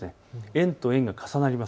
円と円が重なります。